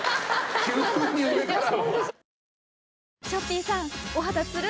急に上から。